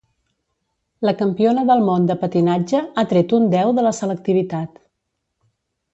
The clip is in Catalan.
La campiona del món de patinatge ha tret un deu de la selectivitat